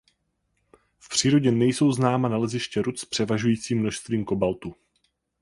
V přírodě nejsou známa naleziště rud s převažujícím množstvím kobaltu.